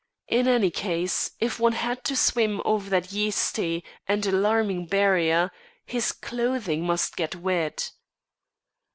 In any case, if one had to swim over that yeasty and alarming barrier, his clothing must get wet.